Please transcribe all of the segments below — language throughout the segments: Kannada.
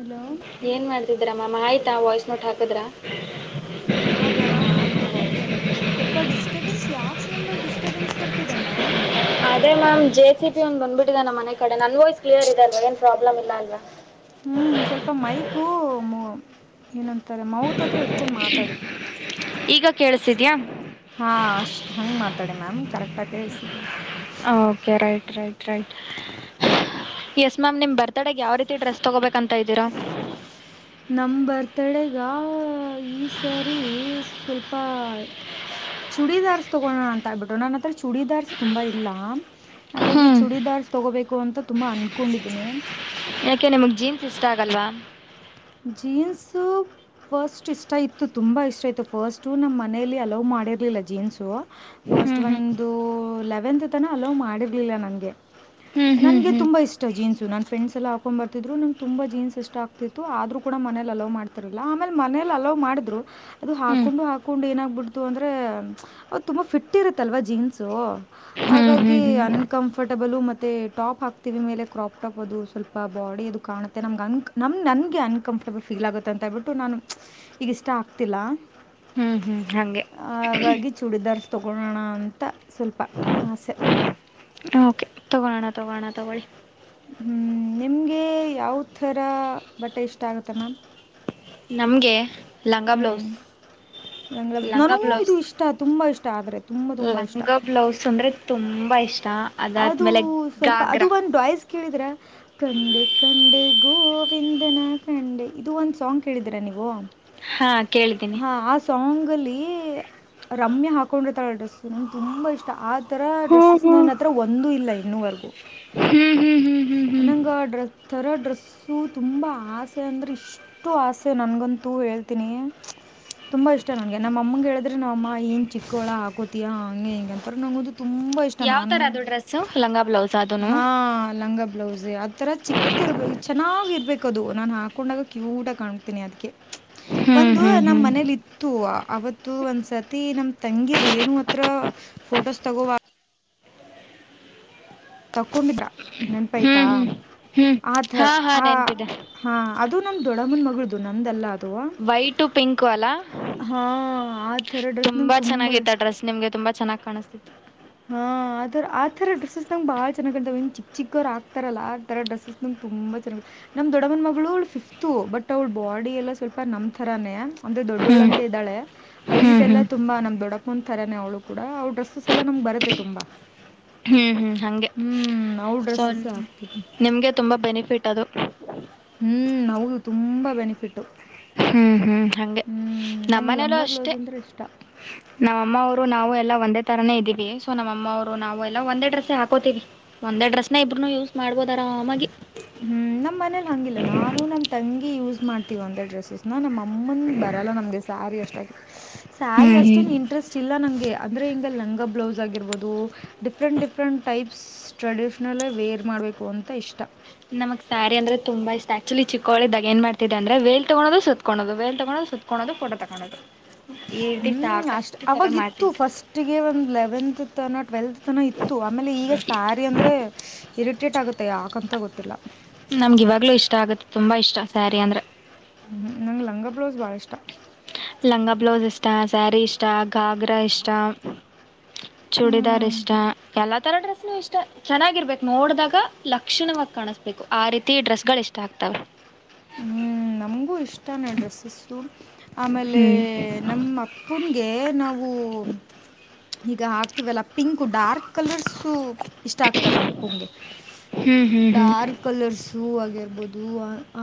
ಹಲೋ ಏನ್ ಮಾಡ್ತಿದ್ರ ಮಾಾಮ ಆಯ್ತಾ ವಾಯ್ಸ್ ನೋಟ್ ಹಾಕದ್ರ ಹಾ ಮ್ಯಾಮ್ ಆಗಿದೆ ವಾಯ್ಸ್ ನೋಟು ಸ್ವಲ್ಪ ಡಿಸ್ಟರ್ಬೆನ್ಸ್ ಯಾಕೆ ನ ಸ್ಟಬೆನ್ಸ್ ಬರ್ತಿದೆಮ್ಯಾಮ್ ಅಮ್ಯಾಮ್ ಜೆ ಸಿ ಪ ಒ ಬಂದಬ ಬಿಟ್ಟಿದೆ ನಮ್ಮ ಮನೆ ಕಡೆ ನನ್ ವಾಯ್ಸ್ ಕ್ಲಿಯರ್ ಇದೆಲ್ವಾ ಏನ್ ಪ್ರಾಬ್ಲಮ ಇ ಅಲ್ವಾ ಹ್ಞೂ ಸ್ವಲ್ಪ ಮೈಗೂ ಏನಂತಾರೆ ಮೌತ್ ಹತ್ರ ಇಟ್ಕೊಂಡು ಮಾತಾಡಿ ಈಗ ಕೇಳಸಿದ್ಯಾ ಹಾ ಅಷ್ಟು ಹಂಗೆ ಮಾತಾಡಿ ಮ್ಯಾಮ್ ಕರೆಕ್ಟಾಗಿ ಕೇಳಿಸಿದೆ okay right right right yes ma'am ನಿಮ್ ಬರ್ತಡಗೆ ಯಾವ ರೀತಿ ಡ್ರೆಸ್ ತೊಗೋಬೇಕಂತ ಇದ್ದೀರಾ ನಮ್ಮ ಬರ್ತ್ಡೇಗೆ ಈ ಸಾರಿ ಸ್ವಲ್ಪ ಚೂಡಿದಾರ್ಸ್ ತಗೋಣ ಅಂತ ಆಬಿಟ್ಟು ನನ್ನ ಹತ್ರ ಚೂಡಿದಾರ್ಸ್ ತುಂಬಾ ಇಲ್ಲ ಹಾಗಾಗಿ ಹ್ಮ್ ಚೂಡಿದಾರ್ ತೊಗೋಬೇಕು ಅಂತ ತುಂಬಾ ಅನ್ಕೊಂಡಿದ್ದೀನಿ ಯಾಕೆ ನಿಮ್ಗ್ ಜೀನ್ಸ್ ಇಷ್ಟ ಆಗಲ್ವಾ ಜನ್ಸ್ ಸ ಫಸ್ಟ್ ಇಷ್ಟ ಇತ್ತು ತುಂಬಾ ಇಷ್ಟ ಇತ್ತು ಫಸ್ಟು ನಮ್ಮ ಮನೆಯಲ್ಲಿ ಅಲೋ ಮಾಡಿರಲಿಲ್ಲ ಜೀನ್ಸು ಹ್ಞೂ ಫಸ್ಟ್ ಹ್ಞೂ ಒಂದು ಲೆವೆಂತ್ ತನ ಅಲೋ ಮಾಡಿರ್ಲಿಲ್ಲ ನನ್ಗೆ ಹ್ಞೂ ನಂಗೆ ಹ್ಞೂ ತುಂಬ ಇಷ್ಟ ಜೀನ್ಸನನ್ ಫ್ರೆಂಡಸ್ ಎಲ್ಲ ಹಾಕೊಂಡ್ ಬರ್ತಿದ್ರು ನಂಗೆ ತುಂಬಾ ಜೀನ್ಸ್ ಎಷ್ಟ ಆಗ್ತ ಆದ್ರೂ ಕೂಡ ಮನೇಲಿ ಅಲೋ ಮಾಡ್ತಾರಲಿಲ್ಲ ಆಮೇಲೆ ಮನೇಲಿ ಅಲೋ ಮಾಡಿದ್ರು ಅದು ಹ್ಮ್ ಹಾಕೊಂಡು ಹಾಕೊಂಡು ಏನಾಗ್ಬಿಡ್ ಅಂದ್ರೆ ಅ ತುಂಬಾ ಫಿಟ್ ಇರುತ್ತಲ್ವಾ ಜೀನ್ಸು ಹ್ಮ್ ಹಾಗಾಗಿ ಹ್ಮ್ ಹ್ಮ್ ಅನ್ಕಂಫರ್ ಕಫರ್ಟಬಲ್ ಮತ್ತೆ ಟಾಪ್ ಹಾಕ್ತೀವಿ ಮೇಲೆ ಕ್ರಾಪ್ ಟಾಪ್ ಅದು ಸ್ವಲ್ಪ ಬಾಡಿ ಅದು ಕಾಣುತ್ತೆ ನಮ ನ ನ ಗೆ ಅನ್ಕಂಫರ್ಟಬಲ್ ಫೀಲ್ ಆಗುತ್ತೆ ಅಂತ ಹೇಳ್ಬಿಟ್ಟು ನಾನು ಈಗಿಷ್ಟ ಆಗ್ತಿಲ್ಲ ಹ್ಮ್ ಹ್ಮ್ ಹಂಗೆ ಹಾಗಾಗಿ ಚೂಡಿದಾರ್ಸ್ ತಗೊಳ್ಳಳೋಣ ಅಂತ ಸ್ವಲ್ಪ ಆಸೆ ಓಕೆ ತಗಾಣ ತಗಾಣ ತಗಳಿ ಹ್ ನಿಮ್ಗೆ ಯಾವಥರ ಬಟ್ಟೆ ಇಷ್ಟ ಆಗುತ್ತೆ ಮ್ಯಾಮ್ ನಮ್ಗೆ ಲಂಗ ಬ್ಲೌಸ್ ನಂಗ ಲಂಗ ನನಗೂ ಇದು ಬ್ಲೌಸ್ ಇಷ್ಟ ತುಂಬಾ ಇಷ್ಟ ಆದ್ರೆ ತುಂಬಾ ತುಂಬಾ ಇಷ್ಟ ಲಂಗ ಬ್ಲೌಸ್ ಅಂದ್ರೆ ತುಂಬಾ ಇಷ್ಟ ಅದು ಅದಾದ್ಮೇಲೆ ಸ್ವಲ್ಪ ಅದು ಗಾಗ್ರಾ ಒಂದು ಡಾಯ್ಸ್ ಕೇಳಿದ್ರೆ ಕಂಡಿ ಕಂಡೆ ಗೋವಿಂದನ ಕಂಡೆ ಇದು ಒಂದ್ ಸಾಂಗ್ ಕೇಳಿದೀರಾ ನೀವು ಹಾ ಕೇಳಿದ್ದೀನಿ ಹಾ ಆ ಸಾಂಗ್ ಅಲ್ಲಿ ರಮ್ಯ ಹಾಕೊಂಡಿರ್ತಾಳೆ ಡ್ರೆಸ್ ನಂಗೆ ತುಂಬಾ ಇಷ್ಟ ಆ ಥರ ಹಾ ಹಾ ಡ್ರೆಸ್ಸಸ್ನನ್ನ ಹತ್ರ ಒಂದೂ ಇಲ್ಲ ಇನ್ನವರೆಗೂ ಹ್ಮ್ ಹ್ಮ್ ಹ್ಮ್ ಹ್ಮ್ ನಂಗ ಡ್ರ ಥರ ಡ್ರೆಸ್ಸು ತುಂಬಾ ಆಸೆ ಅಂದ್ರೆ ಇಷ್ಟ ಅಷ್ಟು ಆಸೆ ನನ್ಗಂತೂ ಹೇಳ್ತೀನಿ ತುಂಬಾ ಇಷ್ಟ ನಂಗೆ ನಮ್ಮ ಅಮ್ಮಗೆ ಹೇಳಿದ್ರೆ ನಾವಮ್ಮ ಏನ್ ಚಿಕ್ಕೋಳ ಹಾಕತಿಯಾ ಹಂಗೆ ಹಿಂ ಅಂತ ನಂಗದು ತುಂಬಾ ಇಷ್ಟ ಇ ಯಾವ ತರ ನಾನು ಅದು ಡ್ರೆಸ್ಸು ಲಂಗ ಬ್ಲೌಸ್ ಅದನು ಹಾ ಲಂಗ ಬ್ಲೌಸ್ ಆ ಥರ ಚಿಕ್ ಇರ್ಬೇಕು ಚೆನ್ನಾಗಿರ್ಬೇಕುದು ನಾನು ಹಾಕೊಂಡಾಗ ಕ್ಯೂಟಾಗಿ ಕಾಣಕೊತೀನಿ ಅದಕ್ಕೆ ಹ್ಮ್ ಒಂದು ಹ್ಮ್ ನಮ್ಮ್ ಹ್ಮ್ ಮನೇಲಿತ್ತು ತ್ತು ಅವತ್ತು ಒಂದ್ಸತಿ ನಮ್ ತಂಗಿ ರೇಣು ಹತ್ರ ಫೋಟೋಸ್ ತಗೋ ತಕೊಂಡಿದ್ರ ನೆನ್ಪೈತಾ ಹ್ಮ್ ಹ್ಮ್ ಹ್ಮ್ ಆಥರ ಹಾ ಹಾ ಆ.. ನೆನ್ಪಿದೆ ಹಾ ಅದು ನಮ್ ದೊಡಮನ್ ಮಗಳದು ನಂದಲ್ಲ ಅದು. ವೈಟು ಪಿಂಕು ಅಲ್ಲ ಹಾ ಆ ತರ ಡ್ರೆಸ್ ನಂಗ್ ತುಂಬಾ.. ಚೆನ್ನಾಗಿತ್ತು ಆ ಡ್ರೆಸ್ ನಿಮ್ಗೆ ತುಂಬ ಚನ್ನಾಗಿ ಕಾಣ್ತಿತ್ತು. ಹಾ ಆ ಆತರ ಡ್ರೆಸಸ್ ನಂಗಗೆ ಬಾಳ್ ಚನ್ನಾಗ್ ಅಂತಾವ ಚಿಕ್ ಚಿಕ್ಕ ಅವರು ಆಗ್ತಾರಲ್ಲ. ಥರ ಡ್ರೆಸಸ್ ತುಂಬ ಚೆನ್ನ. ನಮ್ ದೊಡ್ಡಮನ ಮಗಳು ಅವ ಫಿಫ್ತು ಬಟ್ ಅವ್ಳ ಬಾಡಿ ಎಲ್ಲ ಸ್ವಲ್ಪ ನಮ್ತರಾನೇ. ಅಂದ್ರೆ ಹ್ಮ್ ದೊಡ್ಡೋಳಂಗೆ ಇದಾಳೆ ಹೈಟ್ ಹ್ಮ್ ಎಲ್ಲ ಹ್ಮ್ ತುಂಬಾ ನಮ್ ದೊಡಕ್ ಕುಂದಂತ ತರಾನನೆ ಅವಳು ಕೂಡ ಅವವು ಡ್ರೆಸ್ ಎಲ್ಲ. ನಮ ಬರತ್ತೆ ತುಂಬಾ ಹ್ಮ್ ಹ್ಮ್ ಹಂಗೆ ಹ್ಮ್ ಅವ ಡ್ರೆಸ್ಸಸ ಆಗ್ತಿದ್ದ. ನಿಮಗೆ ತುಂಬ ಬೆನಿಫಿಟ್ ಅದು. ಹ್ಮ್ ನೌದು ತುಂಬಾ ಬೆನಿಫಿಟ್. ಹ್ಮ್ ಹ್ಮ್ ಹಂಗೆ ನಂಗೆ ನಮ್ಮನೇಲ್ಲೂ ಲಂಗ ಅಷ್ಟೆ. ಬ್ಲೌಸ್ ಅಂದರೆ ಇಷ್ಟ ನಮ್ಮ ಅಮ್ಮ ಅವರು ನಾವು ಎಲ್ಲಾ ಒಂದೇ ತರಾನೇ ಇದೀವಿ ಸೊ ನಮ್ಮಮ್ಮ ಅವರು ನಾವು ಎಲ್ಲಾ ಒಂದೇ ಡ್ರೆಸ್ಸ ಹಾಕೋತೀವಿ. ಒಂದೇ ಡ್ರಸ್ನ ಇಬ್ರುೂ ಯೂಸ್ ಮಾಡ್ಬೋದು ಆರಾಮಾಗಿ. ಹ್ಮ್ ನಮ್ಮ್ ಮನೇಲಿ ಹಂಗಿಲ್ಲ ನಾನು ನಮ್ ತಂಗಿ ಯೂಸ್ ಮಾಡ್ತೀವ ಒಂದ ಡ್ರೆಸ್ಸಸ್ನ ನಮ್ಮ.. ತಮ್ಮಂದ ಬರಲ್ಲ ನಮಗೆ ಸ್ಯಾರಿ ಅಷ್ಟಾಗಿ ಸ್ಯಾರಿ ಹ್ಮ್ ಹ್ಮ್ ಅಷ್ಟೇ ಇಂಟ್ರೆಸ್ಟ್.. ಚಿಲ್ಲ ನನಗೆ ಅಂದರೆ ಹಿಂಗೆ ಲಲೆಂಗ ಬ್ಲೌಸ್ ಆಗಿರ್ಬೋದು ಡಿಫ್ರೆಂಟ್ ಡಿಫ್ರೆಂಟ್ ಟೈಪ್ಸ್. ಡಿಷ್ನಲ್ಲೇ ವೇರ್ ಮಾಡಬೇಕು ಅಂತ ಇಷ್ಟ. ನಮ್ ಸ್ಯಾರಿ ಅಂದ್ರ ತುಂಬಾ ಇಷ್ಟ ಆಕ್ಚುಲಿ ಚಿಕ್ಕೋಳದಾಗ ಏನ್ ಮಾಡ್ತಿದೆ ಅಂದ್ರ ವೇಲ್ ತಗೋದು ಸತ್ಕೋದು ವೇಲ್ ತಗೋದು ಸ.. ತಕೊಳ್ಳಳೋದು ಕೋಟ ತಗೊೊಳ್ಳೋದು. ಹ್ಮ್ ಅಷ್ಟ ಅವಾಗಿತ್ತು ಫಸ್ಟ್.. ಒಟ್ಟಿಗೆ ಒಂದು ಲೆವೆಂತ್ ತನ ಟ್ವೆಲ್ತ್ ತನ ಇತ್ತು ಆಮೇಲೆ ಈಗ ಸ್ಯಾರಿ ಅಂದರೆ.. ಇರಿಟೇಟ್ ಆಗುತ್ತೆ ಯಾಕಂತ ಗೊತ್ತಿಲ್ಲ. ನಮ್ಗೆ ಇವಾಗ್ಲೂ ಇಷ್ಟ ಆಗುತ್ತೆ ತುಂಬಾ ಇಷ್ಟ ಸ್ಯಾರಿ ಅಂದ್ರೆ. ಹ್ ನಂಗೆ ಲಂಗ ಬ್ಲೌಸ್ ಭಾಳ ಇಷ್ಟ. ಲಂಗ ಬ್ಲೌಸ್ ಇಷ್ಟ ಸ್ಯಾರಿ ಇಷ್ಟ ಖಾಗ್ರಾ ಇಷ್ಟ. ಚೂಡಿದಾರ್ ಹ್ಮ್ ಇಷ್ಟ ಎಲ್ಲಾ ತರ ಡ್ರೆಸ್ನು ಇಷ್ಟ.. ಚೆನ್ನಾಗಿರ್ಬೇಕು ನೋಡ್ದಾಗ ಲಕ್ಷಣವ ಕಾಣಿಸ್ಬೇಕು ಆ ರೀತಿ ಡ್ರೆಸ್ಗಳು ಇಷ್ಟ ಆಗ್ತವೆ. ಹೂ ನಮ್ಗೂ ಇಷ್ಟೇನೆ ಡ್ರೆಸ್ಸಸ್ಸು ಆಮೇಲೆ.. ಹ್ಮ್ ನಮ್ಮ ಅಪ್ಪನ್ಗೆ ನಾವು. ಈಗ ಹಾಕ್ತಿವಲ್ಲ ಪಿಂಕ್ ಡಾರ್ಕ್ ಕಲರ್ಸ್.. ತು ಇಷ್ಟ ಆಗ್ತದೆ ನಮ್ಮ ಆಪೂಂಗೆ ಹ್ಮ್ ಹ್ಮ್ ಹ್ಮ್ ಡಾರ್ಕ್. ಕಲರ್ಸು ಆಗಿರ್ಬೋದು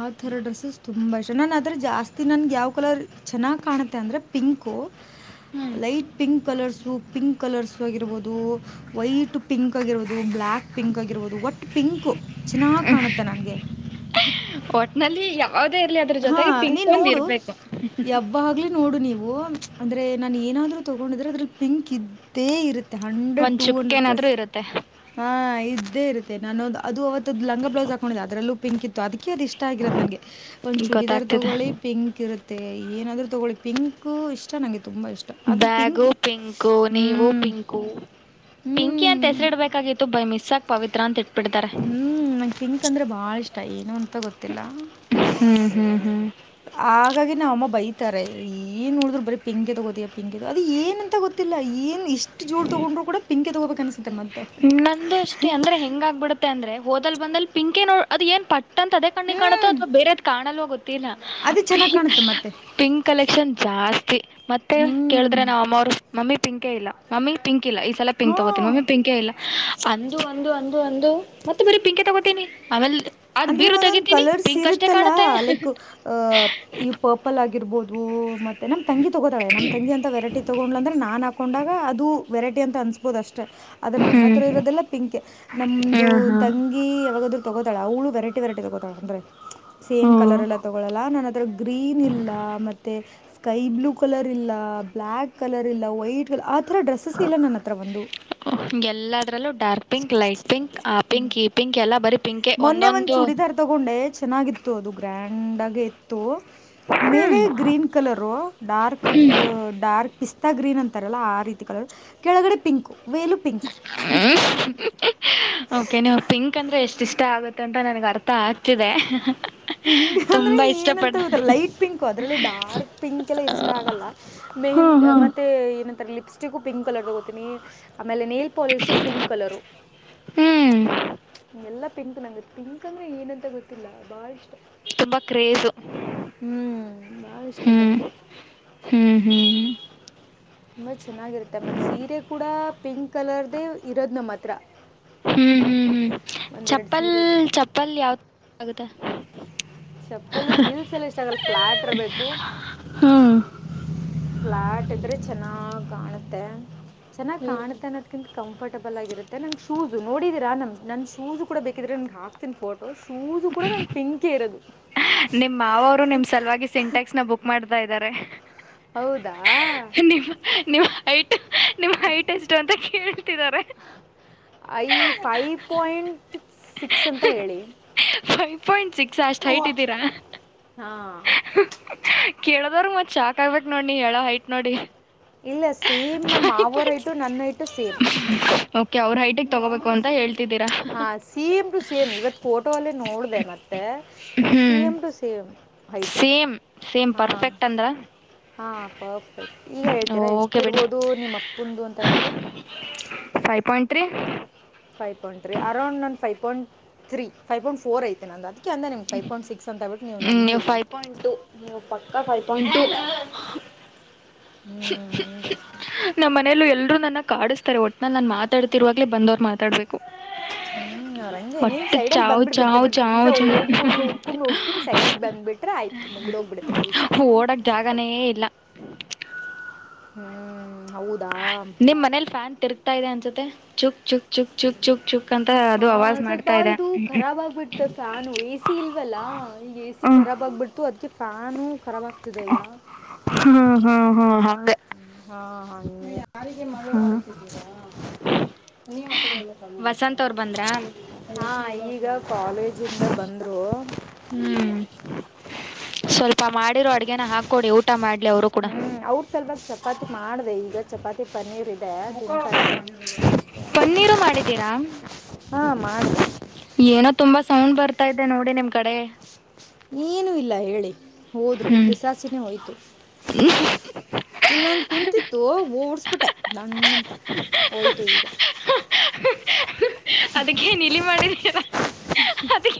ಆ ಥರ ಡ್ರೆಸ್ಸಸ್. ತುಂಬ ಇಷ್ಟ ನಾನು ಅತ್ರಾ ಜಾಸ್ತಿ ನನ್ಗೆ ಯಾವ ಕಲರ್ ಚೆನ್ನಾಗಿ್ ಕಾಣುತ್ತೆ ಅಂದ್ರೆ pink. Light pink colours. So pink colours ಆಗಿರಬಹದು ವೈಟ್ ಪಿಂಕ್ ಆಗಿರಬಹುದು ಬ್ಲ್ಯಾಕ್. ಪಿಂಕ್ ಆಗಿರ್ಬೋದು ವಟ್ ಪಿಂಕ್ ಚೆನ್ನಾಗಿ್ ಕಾಣುತ್ತೆ ನನಗೆ. ಒಟ್ನಲ್ಲಿ ಯಾವದೇ ಇರ್ಲಿ ಅದ್ರ ಜೊತೆಗೆ ಪಿಂಕ್ ಒಂದು ಇರ್ಬೇಕು. ಯಬ್ಬ ಆಗ್ಲಿ ನೋಡು ನೀವು ಅಂದ್ರೆ ನಾನ ಏನಾದ್ರೂ ತಗೊಂಡಿದ್ರೆ ಅದ್ರಲ್ಲಿ ಪಿಂಕ್ ಇದ. ತ್ತೆ ಇರುತ್ತೆ ಹಂಡ್ರೆಡ್ ಒಂದ್ ಟೂ ಹಂಡ್ರೆಡ್ ಚುಕ್ಕೇನಾದ್ರೂ ಪರ್ಸೆಂಟ್. ಇರುತ್ತೆ ಹಾ ಇದ್ದೇ ಇರುತ್ತೆ ನಾನು ಅದು ಅವವತ್ತುದ ಲಂಗ ಬ್ಲೌಸ್ ಹಾಕೊಂಡಿದ್ದ ಅದಲ್ಲೂ ಪಿಂಕ್ ಇತ್ತು ಅದಕ್ಕೆ ಅದು ಇಷ್ಟ ಆಗಿರತ್ತದು ನನ್ಗೆ. ಒಂದ ಚೂಡಿದಾರ್ ಗೊತ್ತಾಗ್ತಿದೆ ತೊಗೊಳ್ಳಿ ಪಿಂಕ್ ಇರುತ್ತೆ ಏನಾದ್ರು ತೊಗೊಳ್ಳಿ ಪಿಂಕ್ ಇಷ್ಟ ನಗ. ಬ್ಯಾಗು ಪಿಂಕ್ು ನೀವು ಹ್ಞೂ ಪಿಂಕು. ಹ್ಞೂ ಪಿಂಕಿ ಅಂತ ಹೆಸರಿಡ್ಬೇಕಾಗಿತ್ತು ಬೈ ಮಿಸ್ ಆಗ ಪವಿತ್ರ ಅಂತ ಇಟ್ಟಿದ್ದಾರೆ. ಹೂಂ ನಂಗೆ ಪಿಂಕ್ ಅಂದ್ರೆ ಭಾಳ ಇಷ್ಟ ಏನು ಅಂತ ಗೊತ್ತಿಲ್ಲ. ಹ್ಮ್ ಹ್ಮ್ ಹ್ಮ್ ಹಾಗಾಗಿ ನಾವ್ ಅಮ್ಮ ಬೈತಾರೆ ಏನ್ ನೋಡಿದ್ರು ಬರೀ ಪಿಂಕೆ ತಗೋತಿಯಾ ಪಿಂಕೆ ಅದು ಏನಂತ ಗೊತ್ತಿಲ್ಲ ಏನ್. ಇಷ್ಟ ಜೋಡ್ ತಗೊಂಡರು ಕೂಡ ಪಿಂಕ ತಗೋಬೇಕ ಅನ್ಸುತ್ತ. ನಂದು ಅಷ್ಟೇ ಅಂದ್ರೆ ಹೆಂಗ ಆಗ್ಬಿಡುತ್ತೆ ಅಂದ್ರೆ ಹೋದಲ್ ಬಂದಲ್ಲಿ ಪಿಂಕ ನೋ ಅದು ಏನ್ ಪಟ್ ಪಟ್ಟಂತ ಅದೇ ಕಣ್ಣಿಗೆ ಹ್ಞೂ ಕಾಣುತ್ತೋ ಅಥ್ವಾ ಬೇರೆದ್ ಕಾಣಲ್ವ ಗೊತ್ತಿಲ್ಲ. ಅದೇ ಚೆನ್ನಾಗಿ ಕಾಣುತ್ತೆ ಮತ್ತೆ ಪಿಂಕ್ ಕಲೆಕ್ಷನ್ ಜಾಸ್ತಿ ಮತ್ತೆ ಹ್ಞೂ ಕೇಳಿದ್ರೆ ನಮ್ ನಮಮ್ಮವರ್, ಮಮ್ಮಿ ಪಿಂಕೇ ಇಲ್ಲ, ಮಮ್ಮಿ ಪಿಂಕ್ ಇಲ್ಲ, ಈ ಸಲ ಪಿಂಕ್ ತಗೋತಿನ ಹಾಂ ಮಮ್ಮಿ ಪಿಂಕೇ ಇಲ್ಲ, ಅಂದು ಅಂದು ಅಂದು ಅಂದು ಮತ್ತೆ ಬರೀ ಪಿಂಕ ತಗೋತೀನಿ. ಆವೇಲ್ಡ್ ಅಂದ್ರೆ ಒಂದೊಂದ ಕಲರ್ಸ್ ಇರುತ್ತಲ್ಲ, ಲೈಕ್ ಅಹ ಈ ಪರ್ಪಲ್ ಆಗಿರ್ಬೋದು ಮತ್ತೆ ನಮ್ ತಂಗಿ ತಗೋತಾಳೆ. ನಮ್ ತಂಗಿ ಅಂತ ವೆರೈಟಿ, ತಗೊಂಡ್ಲಾ ಅಂದ್ರೆ ನಾ ಹಾಕೊಂಡಾಗ ಅದು ವೆರಟಿ ಅಂತ ಅನ್ಸತ್, ಅಗಬಹುದು ಅಷ್ಟೇ ಆದ್ರ ನನ್ನ ಹ್ಮ್ ಹತ್ರ ಇರೋದೆಲ್ಲ ಪಿಂಕೆ. ನಮ್ದ ಹ್ಮ್ ಹಾ ತಂಗಿ, ಯಾವಾಗಾದ್ರು ತಗೋತಳ ಅವಳು ವೆೈರ್ಟಿ ವೆೈರ್ಟಿ ತಗೋತಾಳ. ಅಂದ್ರೆ, ಸೇಮ್ ಕಲರ್ ಹ್ಮ್ ಎಲ್ಲ ತಗೊಳಲ್ಲ. ನನ್ದ್ರ ಗ್ರೀನ್ ಇಲ್ಲ, ಮತ್ತೆ ಸ್ಕೈ ಬ್ಲೂ ಕಲರ್ ಇಲ್ಲ, ಬ್ಲ್ಯಾಕ್ ಕಲರ್ ಇಲ್ಲ, ವೈಟ್ ಕಲರ್ ಆ ಥರ ಡ್ರೆಸ್ಸಸ್ ಇಲ್ಲ ನನ್ನ ಹತ್ರ ಒಂದು. ಎಲ್ಲದರಲ್ಲೂ ಡಾರ್ಕ್ ಪಿಂಕ್, ಲೈಟ್ ಪಿಂಕ್, ಆ ಪಿಂಕ್, ಈ ಪಿಂಕ್ ಎಲ್ಲಾ ಬರಿ, ಮೊನ್ನೆ ಒಂದ್ ಚೂಡಿದಾರ್ ತಗೊಂಡೆ ಚೆನ್ನಾಗಿತ್ತು. ಅದು ಗ್ರ್ಯಾಂಡ್ ಆಗಿ ಇತ್ತು. ಮೇಲೆ ಹ್ಮ್ ಗ್ರೀನ್ ಕಲರ್, ಡಾರ್ಕ್ ಡಾರ್ಕ್ ಇ ಪಿಸ್ತಾ ಗ್ರೀನ್ ಅಂತಾರಲ್ಲ ಆ ರೀತಿ ಕಲರ್. ಕೆಳಗಡೆ ಪಿಂಕು, ಮೇಲು ಪಿಂಕು ಓಕೆ ನೀವು ಪಿಂಕ್ ಅಂದ್ರೆ ಎಷ್ಟ ಇಷ್ಟ ಆಗುತ್ತ ಅಂತ ನನ್ಗ್ ಅರ್ಥ ಹಾಕ್ತಿದೆ. ಪಿಂಕ್ ಅಂದ್ರೆ ಏನಂತ ಗೊತ್ತಲ್ಲ ಲೈಟ ಪಿಂಕ್ ಅದ್ರಲ್ಲಿ ಡಾರ್ಕ್ ಪಿಂಕ್ ಎಲ್ಲ ಇಷ್ಟ ಆಗಲ್ಲ. ಮೆಹಿಂದ ಮತ್ತೆ ಏನಂತಾರೆ ಲಿಪ್ಸ್ಟಿಕು ಪಿಂಕ್ ಕಲರ್ ತಗೋತೀನಿ. ಆಮೇಲೆ ನೇಲ್ ಪಾಲಿಶು ಪಿಂಕ್. ಕಲರು, ಹ್ಮ್ ಎಲ್ಲಾ ಪಿಂಕ್ ನಂಗ ಪಿಂಕ್ ಅಂದ್ರೆ ಏನಂತ ಗೊತ್ತಿಲ್ಲ ಬಾಳ ಇಷ್ಟ. ತುಂಬಾ ಕ್ರೇಜು ಹ್ಞೂ ಭಾಳ ಇಷ್ಟ ಹ್ಮ್ ನಮಗೆ ಹ್ಮ್ ಹ್ಮ್. ತುಂಬಾ ಚೆನ್ನಾಗಿರುತ್ತೆ ಮತ್ತ್ ಸೀರೆ ಕೂಡ ಪಿಂಕ್ ಕಲರ್ದ ಇರೋದ್ ನಮ್ಮ ಹತ್ರ. ಹ್ಮ್ ಹ್ಮ್ ಹ್ಮ್ ಒಂದೆರಡು ಚಪ್ಪಲ್ ಸೀರೆದು ಚಪ್ಪಲ್ ಯಾವ [unintelligible] ಚಪ್ಪಲು ಹಿಲ್ಸ್ ಎಲ್ಲ ಇಷ್ಟ ಆಗಲ್ಲ. ಫ್ಲಾಟ್ ಇರ್ಬೇಕು. ಹ್ಮ್ ಫ್ಲಾಟ್ ಇದ್ರೆ ಚೆನ್ನಾಗ್ ಕಾಣುತ್ತೆ. ಚೆನ್ನಾಗ್ ಕಾಣುತ್ತೆ ಅನ್ನೋದ, ಕಂಫರ್ಟ್ಬಲ್ ಆಗಿರುತ್ತೆ ನಂಗೆ ಶೂಸ ನೋಡಿದಿರಾ ನನ್ ಶೂಸ ಕೂಡ ಬೇಕಿದ್ರೆ ನಿಂಮ್ಗ್ ಹಾಕ್ತಿನಿ ಫೋಟೋ. ಶೂಸು ಕೂಡ ನನ್ ಪಿಂಕ ಇರೋದು. ನಿಮ್ ಮಾವ್ರು ನಿಮ್ ಸಲುವಾಗಿ ಸಿಂಟ್ಯಾಕ್ಸ್ ನ ಬುಕ್ ಮಾಡ್ತಾ ಇದ್ದಾರೆ. ಹೌದಾ, ನಿಮ್ಮ ನಿಮ್ಮ ಹೈಟ್ ನಿಮ್ಮ ಹೈಟ್ ಎಷ್ಟು ಅಂತ ಕೇಳ್ತಿದ್ದಾರೆ. ಐ ಫೈವ ಪಾಯಿಂಟ್ ಸಿಕ್ಸ್ ಅಂತ ಹೇಳಿ. ಫೈವ್ ಪಾಯಿಂಟ್ ಸಿಕ್ಸ್ ಅಷ್ಟ್ ಹೈಟ್ ಇದ್ದೀರಾ. ಹಾ, ಕೇಳದವ್ರ ಮತ್ ಶಾಕ್ ಆಗ್ಬೇಕ್ ನೋಡ್ ನೀ ಹೇಳೋ ಹೈಟ್ ನೋಡಿ. ಇಲ್ಲ ಸೇಮ್ ನಮ್ಮ ಮಾವರ ಹೈಟ್ ನನ್ನ ಹೈಟು ಸೇಮ್. [inaudible] ಹೈಟಿಗೆ ತಗೋಬೇಕು ಅಂತ ಹೇಳ್ತಿದ್ದೀರಾ ಹಾ C M to C M ಇವತ್ ಫೋಟೋ ಅಲ್ಲ ನೋಡ್ದ. ಮತ್ತೆ ತೆ ಹ್ಮ್ same to same. Same same perfect ಅಂದ್ರ. ಹಾ ಪರ್ಫೆಕ್ಟ್ ಈಗ ಹೇಳ್ತೀರಾ ಓಕೆ ಎಷ್ಟಿರ್ಬೋದು ನಿಮ್ಮ ನಿಮ್ಪ್ಪಂದು ಅಂತ ಹೇಳ್ಬಿಟ್ಟು. Five point three. Five point three around ನನ್ನ five point three five point four ಐತೆ ನ ಅದಕ್ಕೆ ಅಂದ ನಿಮ ಫೈವ್ ಪಿಂಟ್ ಸಿಕ್ಸ್ ಅಂತಬಟ್ಟು ನೀವು ಹ್ಮ್ ನಂಬಲಿಲ್ಲ ಫೈವ್ ಪಾಯಿಂಟ್ ಟು ನೀವು ಪಕ್ಕಾ ಫೈವ್ ಪಾಯಿಂಟ್ ಟು ಹ್ಞೂ ಹಂಗೆ ನಮ್ಮ್ನೆಯಲ್ಲ ಎಲ್ರು ನನ್ನ ಕಿಸ್ತಾರೆ ಒಟ್ಟಟ್ನಲ್ಲಿ ನಾನ್ ಮಾತಾತಿರುವಾಗ್ ಬಂದವ್ರು ಮಾತಾಡ್ಬೇಕು ಹ್ಮ್ ಅವಂಗೆ ನೀನ್ ಒಟ್ಟು ಸೈಡ ಅಲ್ಲಿ ಚಾವ್ ಬಂದ್ಬಿಡ್ಬೇಕು ಚಾವ್ ಚಾವ್ ಚ ನಕೊಂಡ್ ನೋಡ್ಕೊಂಡ್ ನೋಡ್ಕೊಂಡ್ ಸೈಡಗ್ ಬಂದ್ಬಿಟ್ರೆ ಆಯ್ತು ಮುಂಗಡ ಹೋಗ್ಬಿಡತೆ ಕೆಲ್ಸ ಓಡಕ್ ಜಾಗನೇ ಇಲ್ಲ ಹ್ಮ್ ಹೌದಾ ನಿಮ್ಮ ಮನೇಲಿ ಫ್ಯಾನ್ ತಿರುಗ್ತಾ ಇದೆ ಅನ್ಸುತ್ತತೆ ಚುಕ್ ಚುಕ್ ಚುಕ್ ಚು ಚುಕ್ ಚುಕ್ ಅಂತ ಹಾ ಅದು ಅವಾಜ್ ಸ್ವಲ್ಪ ಮಾಡ್ತಾ ಇದೆ ಇದು ರಾಬ್ ಆಗ್ಬಿಡ್ತ ಫ್ಯಾನ ಎ ಸಿ ಇಲ್ವಲ್ಲ ಈಗ ಎ ಸಿ ಹ್ಮ ಖರಾಬ್ ಆಗ್ಬಿಡ್ತು ಅದ ಫಾನು ಖರಾಬಾಗ್ತಿದೆ ಈಗ ಹ್ಮ್ ಹ್ಮ್ ಹ್ಮ್ ಹಾಗೆ ಹಾ ಹ ಯಾರಿಗೆ ಮಳೆ ಹ್ಮ್ ಮಾಡುತ್ತಿದ್ದೀರಾ ಮುನಿ ಮತ್ತಡಲ್ಲ ಚನ್ನು ವಸಂತ್ ಅವ್ರು ಬಂದ್ರಾ ಮಾಡ್ತೀ ಹಾ ಈಗ ಕಾಲೇಜಿಂದ ಬಂದ್ರು ಹ್ಮ್ ಸ್ವಲ್ಪ ಮಾಡಿರೋ ಅಡ್ಗೆನ ಹಾಕೊಡಿ ಊಟ ಮಾಡ್ಲಿ ಅವರು ಕೂಡ ಹ್ಮ್ ಅವ್ರ ಸ್ವಲ್ಪ ಚಪಾತಿ ಮಾಡಿದೆ ಈಗ ಚಪಾತಿ ಪನ್ನೀರ್ ಇ ಪನ್ನೀರು ಮಾಡಿದ್ದೀರಾ ಹ ಮಾಡ ಏನೋ ತುಂಬಾ ಸೌಂಡ್ ಬರ್ತಾ ಇದೆ ನೋಡಿ ನಿಮ್ ಕಡೆ ಏನು ಇಲ್ಲ ಹೇಳಿ ಹೋದ್ರು ಹ್ಮ್ ಪಿಸಾಸಿನೇ ಹೋಯ್ತು ಇಲ್ಲೊಂದು ಕುಂತತ್ತು ಓಡ್ಸ್ಬಿಟ್ಟೆ ದಂಡ ಅಂತ ಹೋಯ್ತು ಈಗ [inaudible] ಅದಕ್ಕೆೇನ್ ಇಲಿ ಮಾಡಿದರ ಅದಿ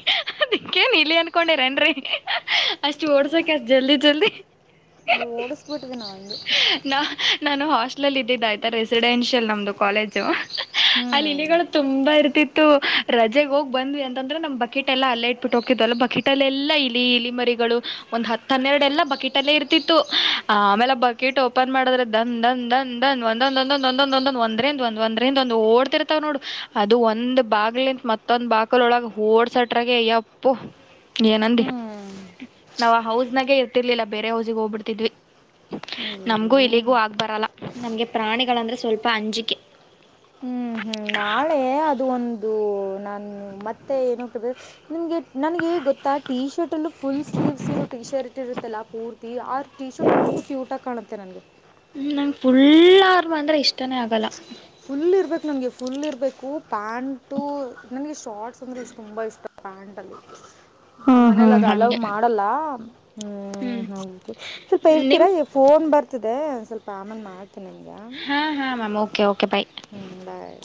ಅದಕ್ಕೇನ್ ಇಲ್ಲಿ ಅನ್ಕೊಂಡಿರೇನ್ರಿ ಚೋಡಸಕ್ಯ ಜಲ್ದಿ ಜಲ್ದಿ ಓಡಿಸ್ಬಿಟ್ಟಿದೀನಿ ಅಂಗೆ ನಾ ನಾನು ಹಾಸ್ಟಲಲ್ ಇದ್ದಿದ್ದ ಆಯ್ತಾ ರೆಸಿಡೆನ್ಷಿಯಲ್ ನಮ್ದು ಕಾಲೇಜು ಹ್ಞೂ ಅಲ್ಲಿ ಇಲಿಗಳು ತುಂಬಾ ಇರ್ತಿತ್ತು ರಜೆಗ್ ಹೋಗ್ ಬಂದ್ವಿ ಅಂತಂದ್ರೆ ನಮ್ ಬಕೆಟ್ ಎಲ್ಲ ಅಲ್ಲ ಇಟ್ಬಿಟ್ಟು ಹೋಗತ್ ಅಲ್ಲ ಬಕೆಟ್ ಹೋಟಲ್ ಎಲ್ಲಾ ಇಲಿ ಇಲಿ ಮರಿಗಳು ಒಂದ್ ಹತ್ತ ಹನ್ನೆರಡೆ ಎಲ್ಲ ಬಕೆಟ್ ಅಲ್ಲೇ ಇರ್ತಿತ್ತು ಆ ಆಮೇಲೆ ಬಕೆಟ್ ಓಪನ್ ಮಾಡದ್ರ ದಂದ್ಂದ ದಂದ್ಂದ ಒಂದ ಒಂದೊಂದ ಒಂದೊಂದ ಒಂದೊಂದ ಒಂದ್ರಂದ ಒಂದ್ ಒಂದ್ರರಿಂದ್ ಒಂದಂದು ಓಡ್ತಿರ್ತ್ತವ ನೋಡು ಅದು ಒಂದ್ ಬಾಗಲಿಂತ ಮತ್ತೊಂದ್ ಬಾಗಲ ಒಳಗ ಓಡ್ಸಟ್ರಗೆ ಅಯ್ಯಪ್ಪು ಏನಂದಿ ಹ್ಞೂ ನಾವ್ ಆ ಹೌಸ್ನಾಗೆ ಇರ್ತಿರ್ಲಿಲ್ಲ ಬೇರೆ ಹೌಸಿ ಹೋಗ್ಬಿಡ್ತಿದ್ವಿ ನಮ್ಗೂ ಅಯ್ಯಯ್ಯೋ ಇಲ್ಲಿಗೂ ಆಗ್ ಬರಲ್ಲ ನಮ್ಗೆ ಪ್ರಾಣಿಗಳಂದ್ರೆ ಸ್ವಲ್ಪ ಅಂಜಿಕೆ ಹ್ಮ್ ಹ್ಮ್ ನಾಳೆ ಅದು ಒಂದು ನಾನು ಮತ್ತೆ ಏನ ನಿಮ್ಗೆ ನನಗೆ ಗೊತ್ತಾ ಟಿ ಶರ್ಟಲ್ಲೂ ಫುಲ್ ಸ್ಲೀವ್ಸ್ ಇರೋ ಟಿ ಶರ್ಟ್ ಇರುತ್ತಲ್ಲ ಪೂರ್ತಿ ಆರು ಟಿ ಶರ್ಟ್ ತುಂಬ ಕ್ಯೂಟ ಆಗಿ ಕಾಣುತ್ತೆನಗೆ ಹ ನಂಗೆ ಫುಲ್ ಆರ್ಮ ಅಂದ್ರೆ ಇಷ್ಟನೇ ಆಗಲ್ಲ ಫುಲ್ ಇರ್ಬೇಕು ನನ್ಗೆ ಫುಲ್ ಇರ್ಬೇಕು ಪ್ಯಾಂಟು ನನ್ಗೆ ಶಾರ್ಟಸ್ ಅಂದ್ರೆ ಇಷ್ಟ ತುಂಬಾ ಇಷ್ಟ ಪಾಂಡಲಿ ನಮ್ಮ ಹ್ಮ್ ಮನೇಲಿ ಹ್ಮ್ ಅದು ಹಲವು ಹಂಗೆ ಮಾಡಲ್ಲ ಹ್ಮ್ ಹೌದು ಸ್ವಲ್ಪ ನಿಮ್ ಇರ್ತೀರಾ ಫೋನ್ ಬರ್ತಿದೆ ಒ ಸ್ವಲ್ಪ ಆಮೇಲೆಟ್ ಮಾಡ್ತೀನಿ ನಿಮಗೆ ಹಾ ಹಾ ಮಾಮ ಓಕೆ ಓಕೆ ಬಾಯ ಹ್ಮ್ ಬಾಯ್